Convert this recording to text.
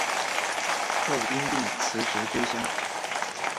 后因病辞职归乡。